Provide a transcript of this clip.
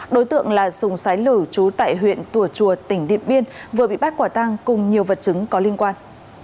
đối tượng là sùng sái lử chú tại huyện tùa chùa tỉnh điện biên vừa bị bắt quả tăng cùng nhiều vật chứng có liên quan